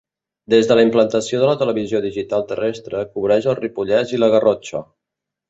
Des de la implantació de la Televisió Digital Terrestre cobreix el Ripollès i la Garrotxa.